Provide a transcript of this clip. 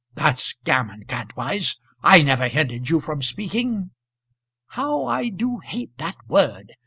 "That's gammon, Kantwise. I never hindered you from speaking." "How I do hate that word.